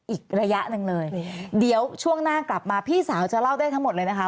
อีกระยะหนึ่งเลยเดี๋ยวช่วงหน้ากลับมาพี่สาวจะเล่าได้ทั้งหมดเลยนะคะ